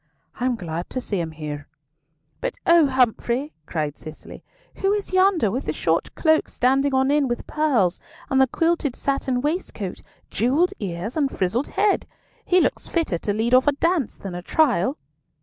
"I am glad to see him here." "But oh, Humfrey!" cried Cicely, "who is yonder, with the short cloak standing on end with pearls, and the quilted satin waistcoat, jewelled ears, and frizzed head? He looks fitter to lead off a dance than a trial."